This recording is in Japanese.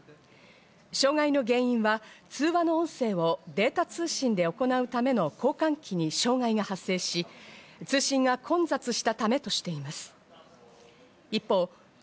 障害の原因は通話の音声をデータ通信で行うための交換機に障害が発生し、通信が混雑したためとしています。